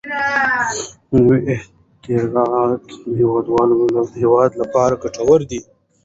نوي اختراعات د هېواد لپاره ګټور دي.